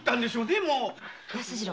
安次郎。